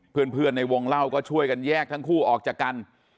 เพื่อนในวงเล่าก็ช่วยกันแยกทั้งคู่ออกจากกัน